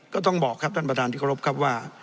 ต้องบอกครับท่านประธานที่เคารพครับว่า